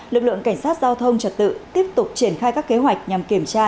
lực lượng cảnh sát giao thông trật tự tiếp tục triển khai các kế hoạch nhằm kiểm tra